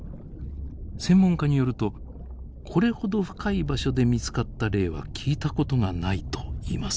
専門家によるとこれほど深い場所で見つかった例は聞いたことがないといいます。